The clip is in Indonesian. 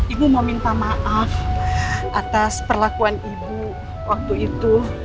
ibu mau minta maaf atas perlakuan ibu waktu itu